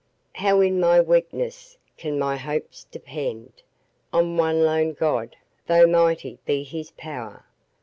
How in my weakness can my hopes depend On one lone God, though mighty be his pow'r?